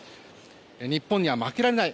日本には負けられない。